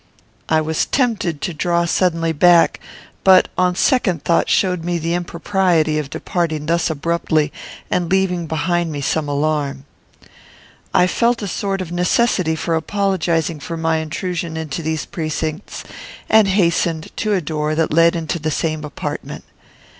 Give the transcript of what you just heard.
I was tempted to draw suddenly back, but a second thought showed me the impropriety of departing thus abruptly and leaving behind me some alarm. I felt a sort of necessity for apologizing for my intrusion into these precincts, and hastened to a door that led into the same apartment.